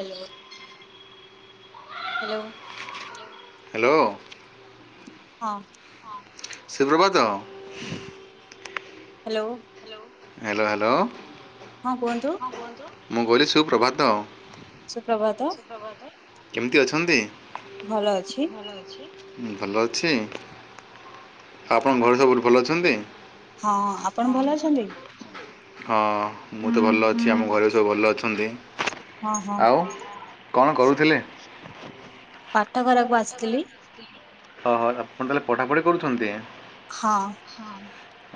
Hello hello. Hello. ହଁ। ସୁପ୍ରଭାତ। Hello. Hello hello. ହଁ କୁହନ୍ତୁ? ମୁଁ କହିଲିି ସୁପ୍ରଭାତ। ସୁପ୍ରଭାତ। କେମିତି ଅଛନ୍ତି? ଭଲ ଅଛି। ଭଲ ଅଛି ଆପଣଙ୍କ ଘରେ ସବୁଠୁ ଭଲ ଅଛନ୍ତି। ହଁ ଆପଣ ଭଲ ଅଛନ୍ତି? ହଁ ମୁଁ [inaudible] ତ ଭଲ ଅଛି ଆମ ଘରେ ସବୁ ଭଲ ଅଛନ୍ତି। ହଁ ହଁ ଆଉ କଣ କରୁଥିଲେ? ପାଠ ଘରାକୁ ଆସିଥିଲି। ଓହୋ ଆପଣ ତାହେଲେ ପଡ଼ାପଡ଼ି କରୁଛନ୍ତି। ହଁ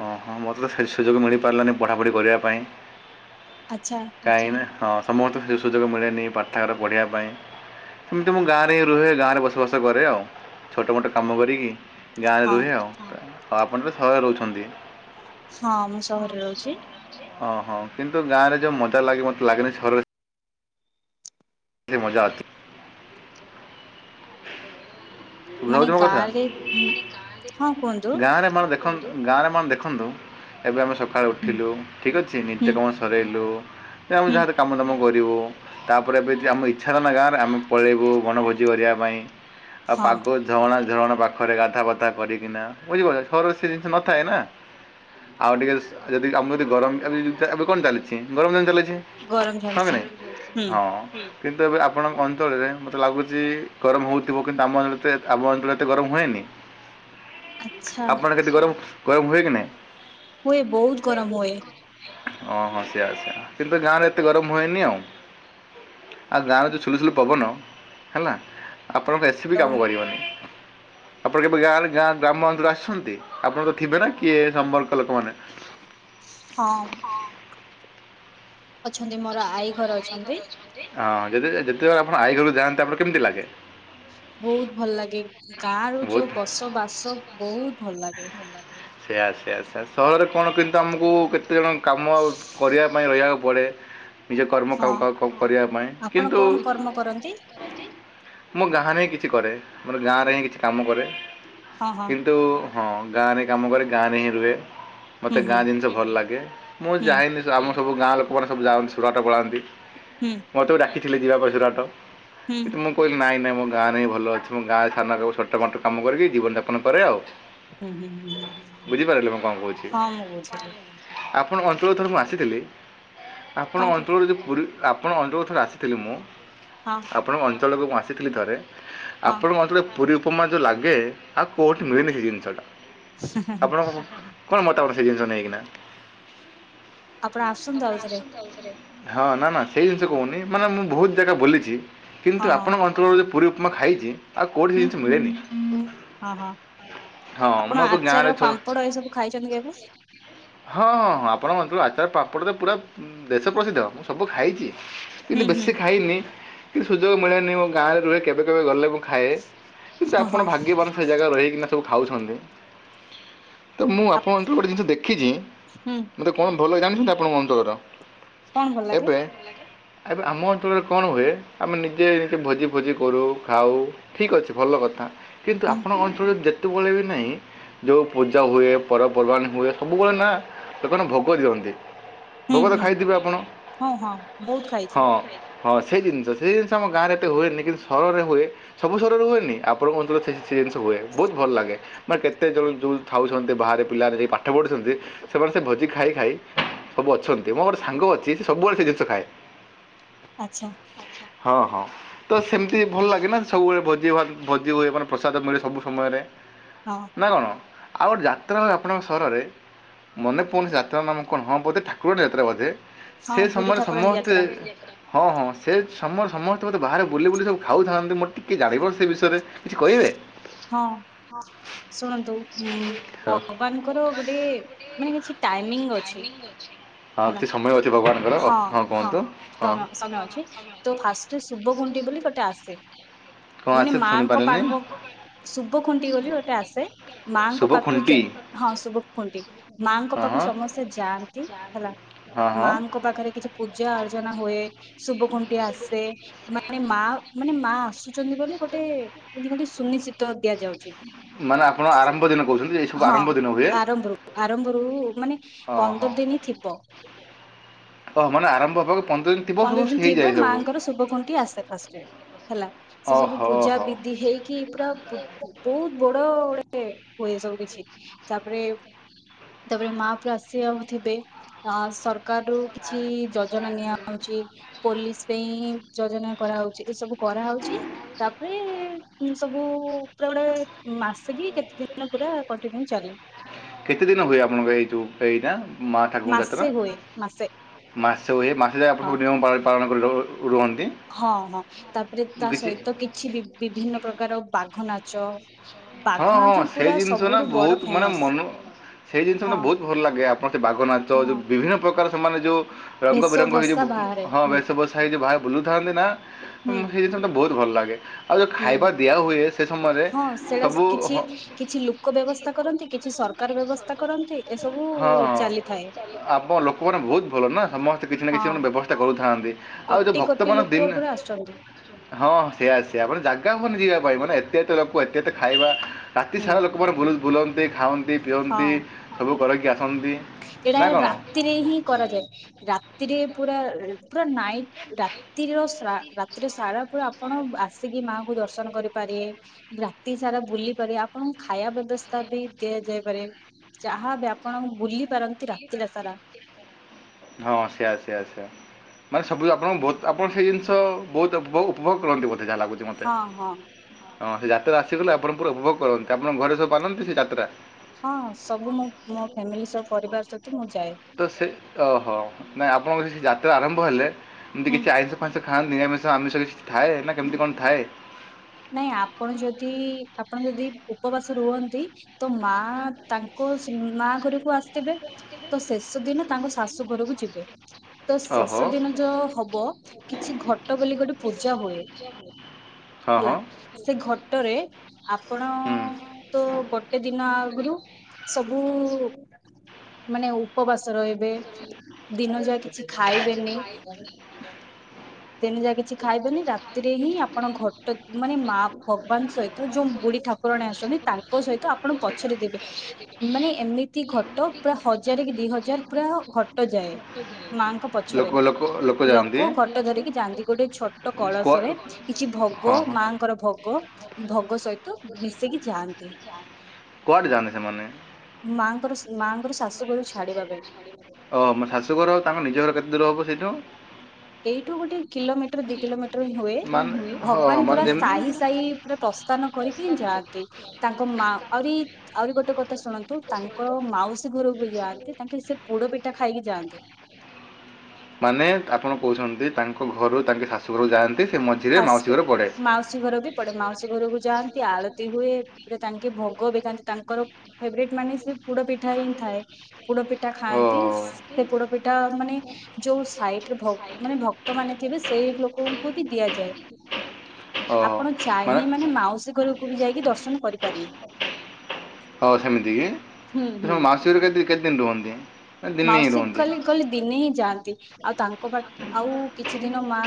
ଓଁ ହଁ ମୋତେ ତ ସେ ସୁଯୋଗ ମିଳିପାରିଲାନି ପଢ଼ାପଢ଼ି କରିବା ପାଇଁ ଆଚ୍ଛା କାହିଁକ ନା ହଁ ସମସ୍ତେ ସୁଯୋଗ ମିଳେନି ପାଠଘାର ପଢ଼ିବା ପାଇଁ। ସେମିତି ମୁଁ ଗାଁର ରୁହେ ଗାଁ ରେ ବସବାସ କରେ ଆଉ। ଛୋଟ ମୋଟ କାମ କରିକି ଗାଁରେ ହଁ ରୁହେ ଆଉ, ଆଉ ଆପଣ ତ ସହରରେ ରହୁଛନ୍ତି। ହଁ ମୁଁ ସହରରେ ରହୁଛି। ଓହୋ କିନ୍ତୁ ଗାଁ ରେ ଯୋଉ ମଜା ଲାଗେ ମତେ ଲାଗେନି ସହରରେ ସେଇ ମଜା ଅଛି। ଶୁଣା ମାନେ ଯାଉଛି ମୋ କଥା? ଗାଁ ରେ ହଁ କୁହନ୍ତୁ। ଗାଁ ରେ ମାନେ ଦେଖନ୍ତୁ ଗାଁରେ ମାନେ ଦେଖନ୍ତୁ, ଏବେ ଆମେ ସ ସକାଳୁ ହୁଁ ଉଠିଲୁ ଠିକ୍ ଅଛି ହୁଁ ନିତ୍ୟକର୍ମ ସରେଇଲୁ ଯେ ଆମେ ହୁଁ ଯାହା କାମ ଦାମ କରିବୁ। ତାପରେ ବି ଯଦି ଆମ ଇଚ୍ଛା ହେଲା ନା ଗାଁରେ ଆମେ ପଳେଇବୁ ବଣଭୋଜି କରିବା ପାଇଁ। ହଁ ପାଗ ଜଣା ଝରଣା ପାଖରେ ଗାଧା ପାଧା କରିକିନା ବୁଝି ପାରୁଚ ସହରରେ ସେ ଜିନିଷ ନଥାଏ ନା। ଆଉ ଟିକେ ଯଦି ଆମ ଯଦି ଗରମ [unintelligible] ଏବେ କଣ ଚାଲିଛି ଗରମ ଦିନ ଚାଲି ଛି ଗରମ ହଁ କି ଚାଲିଛି ନାଇଁ, ହୁଁ ହଁ। କିନ୍ତୁ ଏବେ ଆପଣଙ୍କ ଅଞ୍ଚଳରେ ମତେ ଲାଗୁଚି ଗରମ ହଉଥିବ। କିନ୍ତୁ ଆମ ଅଞ୍ଚଳ ଆମ ଅଞ୍ଚଳରେ ଏତେ ଗରମ ହୁଏନି ଆଚ୍ଛା ଆପଣ ଯଦି ଗରମ ହୁଏ କି ନାଇ? ହୁଏ, ବହୁତ ଗରମ ହୁଏ। ଓହୋ! ସେଇଆ ସେଇଆ କିନ୍ତୁ ଗାଁରେ ଏତେ ଗରମ ହୁଏନି ଆଉ। ଆଉ ଗାଁରେ ଯେ ଛୁଲୁଛୁଲୁ ପବନ ହେଲା ଆପଣଙ୍କ ଏ ସି ବିି ଆଉ କାମ କରିବନି। ଆପଣ କେବେ ଗାଁରେ ଗାଁ ଗ୍ରାମ ଅଞ୍ଚଳ ଆସଛନ୍ତି? ଆପଣ ତ ଥିବେ ନା କିଏ ସମ୍ପର୍କ ଲୋକମାନେ। ହଁ। ଅଛନ୍ତି, ମୋର ଆଈ ଘର ଅଛନ୍ତି। ହଁ ଯଦି ଯେ ଯେତେବେଳେ ଆପଣ ଆଈ ଘରକୁ ଯାଆନ୍ତି ଆପଣଙ୍କୁ କେମିତି ଲାଗେ? ବହୁତ୍ ବହୁତ ଭଲ ଲାଗେ ଗାଁ ରୁ ବହୁତ୍ ଯୋଉ ଗାଁର ବସବାସ ଚାଷ ବାସ ବହୁତ ଭଲ ଲାଗେ। ସେଇଆ ସେଇଆ ସେଇଆ ସହରରେ କଣ କିନ୍ତୁ ଆମକୁ କେତେଜଣ କାମ କରିବା ପାଇଁ ରହିବାକୁ ପଡ଼େ। ନିଜେ କର୍ମ ହଁ କ-କ-କ-କରିବା ପାଇଁ ଆପଣ କିନ୍ତୁ କଣ କର୍ମ କରନ୍ତି? ମୋ ଗାଁରେ ହିଁ କିଛି କରେ ମୋର ଗାଁରେ ହିଁ କିଛି କାମ କରେ, ହଁ ହଁ କିନ୍ତୁ ହଁ ଗାଁରେ କାମ କରେ ଗାଁରେ ହିଁ ରୁହେ। ହୁଁ ମତେ ହୁଁ ଗାଁ ଜିନଷ ଭଲ ଲାଗେ, ମୁଁ ହୁଁ ଯାଏନି ଆମ ସବୁ ଗାଁ ଲୋକମାନେ ସବୁ ଯାଆନ୍ତି ସୁରାଟ ପଳାନ୍ତି। ହୁଁ ମତେ ବି ଡାକିଥିଲେ ଯିବା ପାଇଁ ସୁରାଟ ହୁଁ କିନ୍ତୁ ମୁଁ କହିଲି ନାଇଁ ନାଇଁ ମୋ ଗାଁ ରେ ହିଁ ଭଲ ଅଛି ମୋ ଗାଁରେ ସାନ ହଉ ଛୋଟ ମୋଟ କାମ କରିବି, ଜୀବନଯାପନ କରେ ଆଉ। ହୁଁ ହୁଁ ହୁଁ ହୁଁ ବୁଝିପାରିଲେ ମୁଁ କଣ କହୁଛି, ହଁ ମୁଁ ବୁଝିଲି ଆ ଆପଣ ଅଞ୍ଚଳକୁ ଥରେ ମୁଁ ଆସିଥିଲି କଣ ଆପଣଙ୍କ କ ଅଞ୍ଚଳରୁ ଯଦି ପୁରୀ ଆପଣ ଅଞ୍ଚଳକୁ ଥରେ ଆସିଥିଲି ମୁଁ ହଁ ଆପଣଙ୍କ ଅଞ୍ଚଳକୁ ମୁଁ ଆସିଥିଲି ଥରେ। ହଁ ଆପଣଙ୍କ ଅଞ୍ଚଳରେ ପୁରୀ ଉପମା ଯୋଉ ଲାଗେ ଆଉ କୋଉଠି ମିଳେନି ସେଇ ଜିନଷ ଟା। ହେଁ ହେଁ ଆପଣଙ୍କ କଣ ମତାମତ ସେ ଜିନଷ ନେଇକିନା। ଆପଣ ଆସ ଆପଣ ଆସନ୍ତୁ ଆଉଥରେ। ହଁ ନା ନା ସେଇ ଜିନଷ କହୁନି ମାନେ ମୁଁ ବହୁତ ଜାଗା ବୁଲିଚି ହଁ କିନ୍ତୁ ହଁ ଆପଣଙ୍କ ଅଞ୍ଚଳରୁ ଯଉ ପୁରୀ ଉପମା ଖାଇଚି ଆଉ କୋଉଠି ସେ ହୁଁ ଜିନଷ ମିଳେନି। ହଁ ହଁ ହଁ ମୁଁ ଆପଣ ଏବେ ଆଚାର, ଗାଁରେ ଥ ପାମ୍ପଡ ଏ ସବୁ ଖାଇଚନ୍ତି କେବେ? ହଁ ଆପଣଙ୍କ ଅଞ୍ଚଳକୁ ଆ ଚାର ପାମ୍ପଡ଼ ତ ପୁରା ଦେଶ ପ୍ରସିଦ୍ଧ। ମୁଁ ସବୁ ଖାଇଚି ହୁଁ କିନ୍ତୁ ହୁଁ ବେଶୀ ଖାଇନି ସୁଯୋଗ ମିଳେନି ମୋ ଗାଁରେ ରୁହେ କେବେ କେବେ ଗଲେ ମୁଁ ଖାଏ, କିନ୍ତୁ ହଁ ଆପଣ ହଁ ଭାଗ୍ୟବାନ ସେଇ ଜାଗାରେ ରହିକିନା ସବୁ ଖାଉଛନ୍ତି। ତ ମୁଁ ଆ ଆପଣଙ୍କ ଅଞ୍ଚଳ ଗୋଟେ ଜିନିଷ ଦେଖିଚି ହୁଁ ମୋତେ କଣ ଭଲ ଲାଗେ ଜାଣିଛନ୍ତି ଆପଣଙ୍କ ଅଞ୍ଚଳର? କଣ ଭଲ ଲାଗେ? ଏବେ ଏବେ ଆମ ଅଞ୍ଚଳରେ କଣ ହୁଏ ଆମେ ନିଜେ ଏଠି ଭୋଜି ଫୋଜି କରୁ ଖାଉ ଠିକ୍ ଅଛି ଭଲ କଥା। କିନ୍ତୁ ହୁଁ ଆପଣଙ୍କ ଅଞ୍ଚଳରେ ଯେତେବେଳେ ବି ନାଇଁ ଯୋଉ ପୂଜା ହୁଏ, ପର୍ବପର୍ବାଣି ହୁଏ, ସବୁବେଳେ ନା ଲୋକମାନେ ଭୋଗ ଦିଅନ୍ତି। ହୁଁ ଭୋଗତ ହୁଁ ଖାଇଥିବେ ଆପଣ? ହଁ ହଁ ବହୁତ ଖାଇଛୁ ହଁ। ହଁ ସେଇ ଜିନିଷ, ସେଇ ଜିନିଷ ଆମ ଗାଁ ରେ ଏତେ ହୁଏନି, କିନ୍ତୁ ସହରରେ ହୁଏ, ସବୁ ସହରରେ ହୁଏନି, ଆପଣଙ୍କ ଅଞ୍ଚଳରେ ସେଇ ହୁଏ, ବହୁତ ଭଲ ଲାଗେ, ମାନେ କେତେ ଯୋଉ ଯୋଉ ଥାଉଛନ୍ତି ବାହାରେ ପିଲାମାନେ ଯାଇ ପାଠ ପଢୁଛନ୍ତି ସେମାନେ ସେ ଭୋଜି ଖାଇ ଖାଇ ସବୁ ଅଛନ୍ତି, ମୋ ଗୋଟେ ସାଙ୍ଗ ଅଛି ସେ ସବୁବେଳେ ସେ ଜିନିଷ ଖାଏ। ଆଚ୍ଛା ହଁ, ହଁ ତ ସେମିତି ଭଲ ଲାଗେ ନା, ସବୁବେଳେ ଭୋଜି ଭ ଭୋଜି ହୁଏ ମାନେ ପ୍ରସାଦ ମିଳେ ସବୁ ସମୟରେ। ହଁ ନା କଣ? ଆଉ ଗୋଟେ ଯାତ୍ରା ହୁଏ ଆପଣଙ୍କ ସହରରେ, ମନେ ପଡୁନି ସେ ଯାତ୍ରା ର ନାମ କଣ ହଁ ବୋଧେ ଠାକୁରଣୀ ଯାତ୍ରା ବୋଧେ। ହଁ ସେ ବୁଢୀ ସମୟରେ ଠାକୁରାଣୀ ସମସ୍ତେ ଯାତ୍ରା ହଁ ହଁ ସେ ସମ ସମସ୍ତେ ମୋତେ ବାହାରେ ବୁଲି ବୁଲି ସବୁ ଖାଉଥାନ୍ତି, ମୋର ଟିକିଏ ଜାଣିବନି ସେ ବିଷୟରେ କିଛି କହିବେ ହଁ ହଁ ଶୁଣନ୍ତୁ, ଭଗବାନଙ୍କର ଗୋଟେ ମାନେ କିଛି ଟାଇମିଙ୍ଗ ଅଛି। ହଁ ହେଲା, କିଛି ସମୟ ଅଛି ଭଗବାନଙ୍କର ଓ ହଁ ହଁ କୁହନ୍ତୁ ହଁ ସମୟ ଅଛି ତ ଫାଷ୍ଟ ଶୁଭ ଗୁ ବୋଲି ଗୋଟେ ଆସେ, କ'ଣ ମାନେ ଆସେ ମାଙ୍କ ଶୁଣିପାରିଲିନି ପାଙ୍କ ଶୁଭ ଖୁଣ୍ଟି ବୋଲି ଗୋଟେ ଆସେ, ମାଙ୍କ ଶୁଭ ପାଖକୁ ଖୁଣ୍ଟି ଯ ହଁ ଶୁଭ ଖୁଣ୍ଟି ମାଙ୍କ ହଁ ପାଖକୁ ହଁ ମାଆଙ୍କ ସମସ୍ତେ ଯାଆନ୍ତି ହେଲା, ହଁ ହଁ ମାଙ୍କ ପାଖରେ କିଛି ପୂଜା ଆ ଯଜ ହୁଏ, ଶୁଭ କୁଣ୍ଟି ଆସେ, ମାନେ ମା ମାନେ ମା ଆସୁ ବୋଲି ଗୋଟେ, ଏମିତି ଗେ ସୁନିଶ୍ଚିତ ଦିଆଯାଉଛି ମାନେ, ଆପଣ ଆରମ୍ଭ ଦିନ କହୁଛନ୍ତି ଏଇ ସବୁ ହଁ, ଆରମ୍ଭ ଦିନ ହୁଏ ଆରମ୍ଭରୁ, ଆରମ୍ଭରୁ ମାନେ ପନ୍ଦର ଦିନ ଥିବ ଓ ମାନେ ଆରମ୍ଭ ହବା ପନ୍ଦର ଦିନ ଥିବ, ମାଆଙ୍କର ଶୁଭ କୁଣ୍ଠ ଆସେ ଫାଷ୍ଟ ହେଲା, ସେ ସବୁ ଓହୋ ପୂଜା ହୋ ବିଧି ହେଇକି ପୁରା ବହୁତ ବଡ ଗଟେ ହୁଏ, ସବୁ କିଛି, ତାପରେ ତାପରେ ମା ପ ଆସ ଆ ଥିବେ, ଅ ସରକାର ରରୁ କିଛି ଯୋଜନା ନିଆ ହଉଛି, ପୋଲିସ ପାଇଁ ଯୋଜନା କରାହଉଛି, ଏ ସବୁ କରାହଉଛି ତାପରେ ସବୁ ପା ବଡେ ମାସିକି କେତେ ଦିନ ପୁରା କଣ୍ ଚାଲେ କେତେ ଦିନ ହୁଏ ଆପଣଙ୍କ, ଏଇ ଯୋଉ ଏଇଟା ମା ଠାକୁର ଯାତ୍ରା। ମାସେ ହୁଏ ମାସେ ମାସେ ହୁଏ, ମାସେ ଯାଏ ଆପଣ ହଁ ସବୁ ନିୟମ ପାଳନ କରି ରୁହନ୍ତି। ହଁ, ହଁ ତାପରେ ତା କିଛି ସହିତ କିଛି ବି ବିଭିନ୍ନ ପ୍ରକାର ବାଘ ନାଚ ହଁ, ବାଘ ହଁ, ନାଚ ସେ ପୁରା ଜିନିଷ ନା ସବୁଠୁ ବଡ ବହୁତ ମାନେ, ଫେମସ୍ ମନ ସେଇ ଜିନିଷ ହଁ ମେ ବହୁତ ଭଲ ଲାଗେ ଆପଣ ସେ ବାଘ ନାଚ, ଯୋଉ ହଁ। ବିଭିନ୍ନ ପ୍ରକାର ସେମାନେ ଯୋଉ ରଙ୍ଗ ଭେଷ ବିରଙ୍ଗ ହେଇଯିବ, ଭସା ବାହାରେ ହଁ ହୁଁ ବେଶଭୂଷା ହେଇଯ ବାହା ବୁଲୁଥାନ୍ତି ନା ହୁଁ ସେଇ ଜିନିଷ ବହୁତ ଭଲ ଲାଗେ। ଆଉ ଯେଉଁ ହୁଁ, ଖାଇବା ଦିଆ ହୁଏ ସେ ସମୟରେ ହଁ ସେଇଟା ସବୁ କିଛି ହଁ କିଛି ଲୋକ ବ୍ୟବସ୍ଥା କରନ୍ତି, କିଛି ସରକାର ବ୍ୟବସ୍ଥା କରନ୍ତି, ଏସବୁ ଚାଲିଥାଏ। ଆପ ଲୋକମାନେ ବହୁତ ଭଲ ନା, ସମସ୍ତେ କିଛି ନା କିଛି ମାନେ ହଁ ବ୍ୟବସ୍ଥା କରୁଥାନ୍ତି। ଆଉ ଯୋଉ କୋଟି ଭକ୍ତ କୋଟି ମାନଙ୍କ ଦିନ, ଲୋକ ପୁରା ଆସନ୍ତି ହଁ ସେଇଆା ସେ ଆପଣ ଜାଗା ହୁଅନି ଯିବା ମାନେ, ଏତତ ଲୋକ, ଏତେ ଖାଇବା ରାତି ହୁଁ ସାରା ଲୋକମାନେ ଭୁଲନ୍ତି ଖାଆନ୍ତି ପିଅନ୍ତି ହଁ। ସବୁ କର ଏଇଟା ଏ ରାତିରେ ହିଁ କରାଯାଏ, ରାତିରେ ପୁର, ପୁରା ନାଇଟ, ରାତିର ରାତିରେ ସାରା ପୁରା ଆପଣ ଆସିକି ମାଙ୍କୁୁ ଦର୍ଶନ କରିପାରିବେ, ରାତି ସାରା ବୁଲି ପାରିବେ ଆପଣଙ୍କୁ ଖାଇବା ବ୍ୟବସ୍ଥା ବି ଦିଆଯାଇପାରେ, ଯାହାବ ଆପଣ ବୁ ତି ରାଖ ଆାର [unintelligible] ହଁ ସେଆ ସେଆ ସେଆ ମାନେ ସବୁ ଆପଣ, ବହୁତ ଆପଣ ସେଇ ଜିନିଷ ବହୁତ ଉପଭୋଗ କରନ୍ତି। ଅଧା [unintelligible] ଲାଗୁଛି ମୋତେ ହଁ ହଁ ହଁ ସେ ଯାତ୍ରା ଆସିଗଲେ ଆପଣ ପୁରା ଉପଭୋଗ କରନ୍ତି, ଆପଣ ଘରେ ସବୁ ଆାନନ୍ତି ସେ ଯାତ୍ରା? ହଁ ସବୁ ମୁଁ ମୋ ଫ୍ୟାମିଲି ସହ ପରିବାର ସହିତ ମୁଁ ଯାଏ ତ ସେ ଓହୋ ନାଇଁ ଆପଣଙ୍କ ଯାତ୍ରା ଆରମ୍ଭ ହେଲେ ଏମିତି ହୁଁ କିଛି ଆଇଁଷ ଫାଁସ ଖାଆ ନିରାମିଷ ଆମିଷ କିଛି ଥାଏ ନା କେମିତି କଣ ଥାଏ? ନାଇଁ ଆପଣ ଯଦି ଆପଣ ଯଦି ଉପବାସ ରୁହନ୍ତି। ତ ମା ତାଙ୍କ ମା ଘରକୁ ଆସିଥିବେ ତ ଶେଷ ଦିନ ତାଙ୍କ ଶାଶୁ ଘରକୁ ଯିବେ। ତ ଓହୋ ଶେଷ ଦିନ ଯୋ ହବ କିଛି ଘଟ ବୋଲି ଗୋଟେ ପୂଜା ହୁଏ। ହ ହେଲା ସେ ଘଟରେ ଆପଣ ତ ଗୋଟେ ଦିନ ଆଗରୁ ସବୁ ମାନେ ଉପବାସ ରହିବେ ଦିନ ଯାକ କିଛି ଖାଇବେନି ଦିନ ଯାକ କିଛି ଖାଇବେନି ରାତିରେ ହିଁ ଆପଣ ଘଟ ମାନେ ମା ଭଗବାନ ସହିତ ଯୋଉ ବୁଢ଼ୀ ଠାକୁରାଣୀ ଆସଛନ୍ତି ତାଙ୍କ ସହିତ ଆପଣ ପଛରେ ଦେବେ ମାନେ ଏମିତି ଘ ପୁରା ହଜାର କି ଦି ହଜାର ପୁରା ଘଟଯାଏ। ମାଁ ଙ୍କ ଲୋକ ପଛରେ ଲୋକ ଯାଆନ୍ତି ଲୋକ କ ଯାଆନ୍ତି ଗୋଟେ ଛୋଟ କୁଆ କଳସରେ କିଛି ଭୋଗ ହଁ ହଁ ମାଁ ଙ୍କର ଭୋଗ ଭୋଗ ଭୋଗ ସହିତ ମିଶେଇକି ଯାଆନ୍ତି। କୁଆଡ଼େ ଯାଆନ୍ତି ସେମାନେ? ମାଁଆ ଙ୍କର ଶାଶୁ ଘରୁ ଛାଡ଼ିବା ପାଇଁ। ଓ ମୋ ଶାଶୁଘର ଆଉ ତାଙ୍କ ନିଜ ଘର କେତେ ଦୂର ହବ ସେଇଠୁ? ଏଇଠୁ ଗୋଟେ କିଲୋମିଟର ଦି କିଲୋମିଟ ହୁଏ ମାନେ ହଁ ଭଗବାନ ମାନେ ପୁରା ଯେମିତି ସାହି ସାହି ପୁରା ପ୍ର ଥାନ କରିକି ଯାଆନ୍ତି ତାଙ୍କ ମାଁ ଆହୁରି ଆହୁରି ଗୋଟେ କଥା ଶୁଣନ୍ତୁ ତାଙ୍କ ମାଉସୀ ଘରକୁ ବି ଯାଆନ୍ତି ତାଙ୍କେ ସେ ପୋଡ଼ ପିଠା ଖାଇକି ଯାଆନ୍ତି। ମାନେ ଆପଣ କହୁଛନ୍ତି ତାଙ୍କ ଘରୁ ତାଙ୍କ ଶାଶୁ ଘରକୁ ଯାଆନ୍ତି ସେ ମଝିରେ ମାଉସୀ ଫାଷ୍ଟ ଘର ପଡ଼େ ମାଉସୀ ଘର ବି ପଡେ ମାଉସୀ ଘରକୁ ଯାଆନ୍ତି ଆଳତି ହୁଏ ପୁରା ତାଙ୍କେ ଭୋଗ ବିଥାନ୍ତି ତାଙ୍କର ଫେଭରାଏଟ୍ ମାନେ ସେ ପୋଡ ପିଠା ହେଇ ଥାଏ। ପୋଡ଼ପିଠା ଖାଆନ୍ତି ଓହୋ ସେ ପୋଡ଼ପିଠା ମାନେ ଯୋଉ ସାଇଡ଼ରେ ଭକ୍ -ମାନେ ଭକ୍ତ ମାନେ ସେଇ ଲୋକଙ୍କୁ ବି ଦିଆଯାଏ ଆପଣ ଚାହିଁବେ, ମାନେ ମାଉସୀ ଘରକୁ କୁ ବି ଯାଇକି ଦର୍ଶନ କରିପାରିବେ। ହଉ ସେମିତି କି ହୁଁ ହୁଁ ତ ମାଉସୀ ଘରେ କେତେ -କେତେଦିନ ରୁହନ୍ତି? ନା ଦିନେ ହିଁ ମାଉସୀ ରୁହନ୍ତି କଲି-କଲି ଦିନେ ହିଁ ଯାଆନ୍ତି। ଆଉ ତାଙ୍କ ପାଖ ଆଉ କିଛି ଦିନ ମାଁ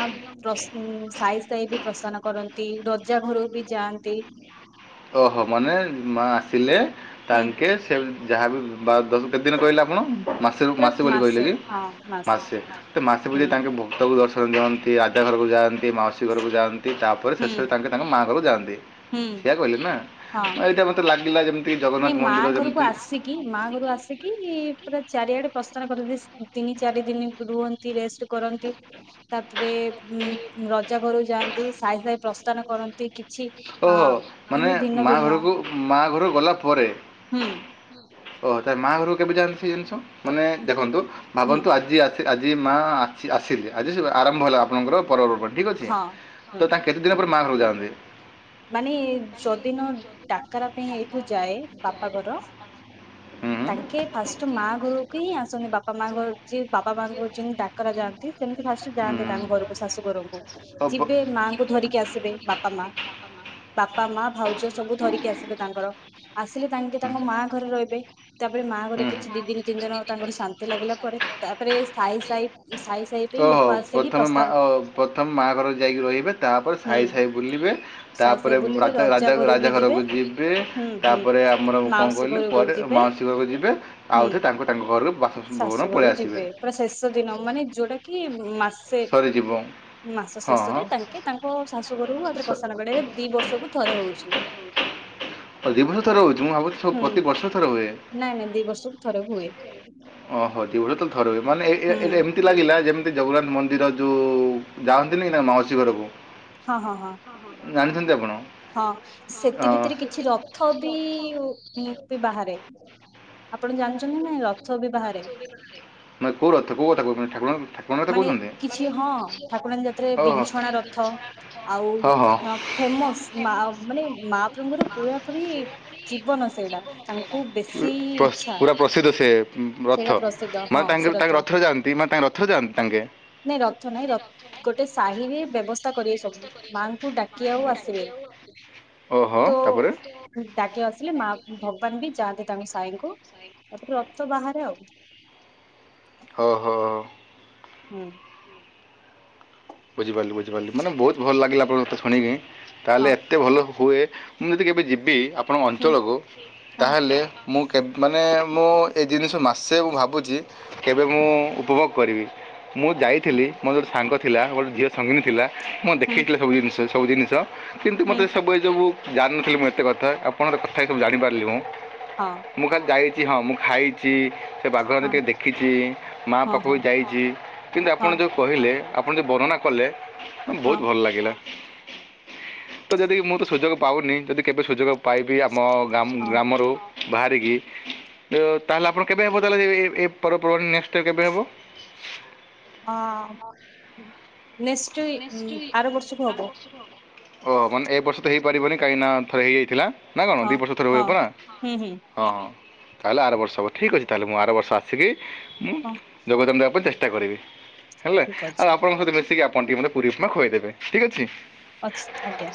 ପ୍ର ସାଇ ସାଇ ବି ପ୍ରସ୍ଥାନ କରନ୍ତି। ରଜା ଘର ବି ଯାଆନ୍ତି। ଓହୋ ମାନେ ମାଁ ଆସିଲେ ହୁଁ ତାଙ୍କେ ସେ ଯାହାବି ବା କେତେଦିନ କହିଲେ ଆପଣ ମାସେ ମାସେ ବୋଲି କହିଲେ କି? ମାସେ ମାସେ ହୁଁ ପୂଜାଇ ତାଙ୍କେ ଭକ୍ତକୁ ଦର୍ଶନ ଦିଅନ୍ତି ଆଦା ଘର କୁ ଯାଆନ୍ତି ମାଉସୀ ଘରକୁ ଯାଆନ୍ତି ତାପରେ ହୁଁ ଶେଷରେ ତାଙ୍କ ତାଙ୍କ ମାଁ ଆ ଘରକୁ ଯାଆନ୍ତି। ହୁଁ ସେଇଆ କହିଲେ ନା ହଁ ଏଇଟା ମତେ ଲାଗିଲା ଯେମିତି ନାଇଁ ଜଗନ୍ନାଥ ମାଁ ମନ୍ଦିର ଘରକୁ ଆସିକି ମାଁ ଘରୁ ଆସିକି ପୁରା ଚାରିଆଡ଼େ ପ୍ରଶ ତିନି ଚାରି ଦିନ ରୁହନ୍ତି ରେଷ୍ଟ କରନ୍ତି ତାପରେ ରଜା ଘରୁ ଯାଆନ୍ତି ସାହି ସାଇ ପ୍ରସ୍ଥାନ କରନ୍ତି କି ଓହୋ ମାନେ ମାଁ ଘରକୁ ମାଁ ଘରୁ ଗଲା ପରେ। ହୁଁ ଓହୋ ତାହେଲେ ମାଁ ଘରକୁ କେବେ ଯାଆନ୍ତି ସେ ଜିନିଷ ମାନେ ଦେଖନ୍ତୁ ହୁଁ ଭାବନ୍ତୁ ଆଜି ଆସି ଆଜି ମା ଅସି-ଆସିଲେ ଆଜି ଆରମ୍ଭ ହେଲା ଆପଣଙ୍କର ପର୍ବ ପର୍ବାଣୀ। ଠିକ୍ ଅଛି ହଁ ତ ହୁଁ ତାଙ୍କେ କେତେ ଦିନ ପରେ ମାଁ ଆ ଘରକୁ ଯାଆନ୍ତି? ମାନେ ଯଦିନ ଡାକରା ପାଇଁ ଏଇଠୁ ଯାଏ ବାପା ଘର ହୁଁ। ତାଙ୍କେ ଫାଷ୍ଟ ମାଁଆ ଘରକୁ ହିଁ ଆସନ୍ତି ବାପା ମାଁଆ ଘର ଯିଏ ବାପା ମାଁଙ୍କ ଯେମିତି ଡାକରା ଯାଆନ୍ତି ସେମିତି ଫାଷ୍ଟ ଯାଆନ୍ତେ ତାଙ୍କ ଘରକୁ ଶାଶୁଘରଙ୍କୁ ଯିବେ ମାଁ ଙ୍କୁ ଧରିକି ଆସିବେ ବାପା ମାଁ ବାପା ମାଁ ଭାଉଜ ସବୁ ଧରିକି ଆସିବେ ତାଙ୍କର ଆସିଲେ ତାଙ୍କେ ତାଙ୍କ ମାଁଆ ଘରେ ରହିବେ। ତାପରେ ମାଁଆ ଘରେ କିଛି ଦି ଦିନ ତିନି ଦିନ ତାଙ୍କର ଶାନ୍ତି ଲାଗିଲା ପରେ ତାପରେ ସାଇ ସାହି ସାଇ ସାହି ବି ଓହୋ ପଥମେ ମାଁଆ ଓ ପଥମେ ମାଁଆ ଘର ଯାଇକି ରହିବେ ତାପରେ ହୁଁ ସାହି ସାହି ବୁଲିବେ ସାଇ ସାଇ ତାପରେ ଉଁମ ବୁଲିବେ ରାଜା ରଜା ରାଜା ଘ ବି ରାଜା ଘରକୁ ଯିବେ ହୁଁ ହୁଁ ତାପରେ ଆମର କଣ ମାଉସୀ କହିଲ ଘରକୁ କୁଆଡ଼େ ଯିବେ ମ ଶାଶୁ ଘରକୁ ଯିବେ ହୁଁ ଆଉ ସେ ତାଙ୍କୁ ତାଙ୍କ ଘରକୁ ବାସ ଭବନ ଶାଶୁଘରୁ ପଳେଇ ଆସିବେ। ଯିବେ ପୁରା ଶେଷ ଦିନ ମାନେ ଯୋଉଟା କି ମାସେ ସରିଯିବ ମାସ ହଁ ଶେଷରେ ତାଙ୍କେ ତାଙ୍କ ଶାଶୁ ଘରକୁ ଆଉ ଥରେ ପ ସ- ସ୍ଥାନ କଡ଼େଇବେ ଦି ବର୍ଷକୁ ଥରେ ହୋଉଛି। ଓ ଦି ବର୍ଷରେ ଥରେ ହୋଉଚି ମୁଁ ଭାବୁଚି ସବୁ ପ୍ରତି ବର୍ଷରେ ଥରେ ହୁଏ। ନାଇଁ ନାଇଁ ଦି ବର୍ଷକୁ ଥରେ ହୁଏ ଓହୋ ଦିଉରତ ଥର ହୁଏ ମାନେ ଏଇ ଏରା ହୁଁ ଏଟା ଏମିତି ଲାଗିଲା ଯେମିତି ଜଗନ୍ନାଥ ମନ୍ଦିର ଯୋଉ ଯାଆନ୍ତିନି ନା ମାଉସୀ ଘରକୁ ହଁ ହଁ ହଁ। ଜାଣିଛନ୍ତି ଆପଣ। ହଁ ହଁ ଅ, ସେତି ଭିତରେ କିଛି ରଥ ବି ଉଁ ବି ବାହାରେ। ଆପଣ ଜାଣିଚନ୍ତି ନାଇଁ ର ମାନେ କୋଉ ରଥ କୋଉ କଥା କୋହୁଚନ୍ତି ଠାକୁରଙ୍କ କଥା। ମାନେ କହୁଛନ୍ତି? କିଛି ହଁ ଠାକୁରାଣୀ ଯାତ୍ରାରେ ଓହୋ। ବିଁଛଣା ରଥ। ଆଉ ହଁ ହଁ। ଆଁ ଫେମସ ମାଆ ମାନେ ମାଆପ୍ରଭୁଙ୍କର ପୁରାପୁରି ଜୀବନ ସେଇଡା ତାଙ୍କୁ ବେଶୀ ଇଛା। ହୁଁ ରଥ ମା ତାଙ୍କର ତାଙ୍କ ରଥ ରଥରେ ଯାଆନ୍ତି ମା ତାଙ୍କର ରଥରେ ଯାଆନ୍ତି ତାଙ୍କେ। ନାଇଁ ରଥ ନାଇଁ ର ଗୋଟେ ସାହିରେ ବ୍ୟବସ୍ଥା କରିବେ ସବୁ ମାଆଙ୍କୁ ଡାକି ଆଉ ଆସିବେ। ଓହୋ ତାପରେ ତାେ ଡ଼ାକି ଆସିଲ ମା ଭଗବାନ ବି ଯାହା ଦେ ତାଙ୍କ ସାଇଙ୍କୁ ତାପରେ ରଥ ବାହାରେ ଆଉ ଓହୋ। ହୁଁ। ବୁଝିପାରିଲି ବୁଝିପାରିଲି ମାନେ ବୋହୁତ ଭଲ ଲାଗିଲା ଆପଣଙ୍କ କଥା ଶୁଣିକି ତାହେଲେ ହଁ ଏତେ ଭଲ ହୁଏ। ମୁଁ ଯଦି କେବେ ଯିବି ଆପଣଙ୍କ ହୁଁ ଅଞ୍ଚଳକୁ ହଁ ତାହେଲେ ମୁଁ କେ ମାନେ ମୁଁ ଏ ଜିନିଷ ମାସେ ମୁଁ ଭାବୁଚି କେବେ ମୁଁ ଉପଭୋଗ କରିବି। ମୁଁ ଯାଇଥିଲି ମୋର ଗୋଟେ ସାଙ୍ଗ ଥିଲା ଗୋଟେ ଝିଅ ସଙ୍ଗିନୀ ଥିଲା ମ ହୁଁ ଦେଖେଇଥିଲି ସବୁ ଜିନିଷ ସବୁ ଜିନିଷ କିନ୍ତୁ ମତେ ହୁଁ ସବୁ ଏ ସବୁ ଜାଣିନଥିଲି ମୁଁ ଏତେ କଥା ଆପଣଙ୍କ ସହ କଥା ହେଇକି ସବୁ ଜାଣିପାରିଲି ମୁଁ। ହଁ ମୁଁ ଖାଲି ଯାଇଚି ହଁ ମୁଁ ଖାଇଚି। ସେ ବାଘ ଆଡେ ହଁ ଟିକେ ଦେଖିଚି ମାଆ ହଁ ପାଖକୁ ହଁ ଯାଇଚି କିନ୍ତୁ ଆପଣ ହଁ ଯେଉଁ କହିଲେ ଆପଣ ଯୋଉ ବର୍ଣ୍ଣନା କଲେ ବହୁତ ହଁ ଭଲ ଲାଗିଲା। ତ ଯଦି ମୁଁ ତ ସୁଯୋଗ ପାଉନି ଯଦି କେବେ ସୁଯୋଗ ପାଇବି ଆପ ମୋ ଗାମ୍ ହଁ ଗ୍ରାମରୁ ବାହାରିକି ଏଁ ତାହେଲେ ଆପଣ କେବେ ହେବ ତାହେଲେ ଏଁ ଏଁ ଏଁ ପର୍ବପର୍ବାଣୀ ନେକ୍ସଟ୍ କେବେ ହବ। ଅଁ। ଓଁ ଆର ବର୍ଷକୁ ହବ ମାନେ ଏ ବର୍ଷ ଟା ହେଇ ପାରିବନି କାହିଁକି ନା ଥରେ ହେଇଯାଇଥିଲା ନା କଣ ହଁ ଦି ବର୍ଷ କୁ ଥରେ ହୁଏ ହଁ ପରା ହୁଁ ହୁଁ ହଁଁ ହଁ। ତାହେଲେ ଆର ବର୍ଷ ହବ ଠିକ୍ ଅଛି ତାହେଲେ ମୁଁ ଆର ବର୍ଷ ଆସିକି ମୁଁ ହଁ ଯୋଗଦାନ ଦେବା ପାଇଁ ଚେଷ୍ଟା କରିବି। ଠିକ ଅଛି। ମୋ ସହିତ ମିଶିକି ଆପଣ ଟିକେ ମତେ ପୁରୀ ଉପମା ଖୁଆଇଦେବେ ଠିକ୍ ଅଛି। ଅଛି ଆଜ୍ଞା।